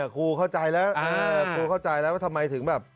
ครูเข้าใจแล้วว่าทำไมถึงแบบ